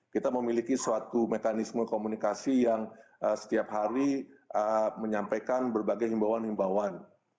kita memiliki suatu mekanisme komunikasi yang setiap hari menyampaikan berbagai himbauan himbauan